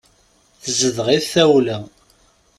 Tezdeɣ-it tawla.